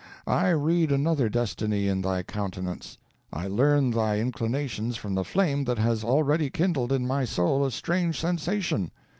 I read another destiny in thy countenance I learn thy inclinations from the flame that has already kindled in my soul a strange sensation.